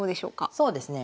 そうですね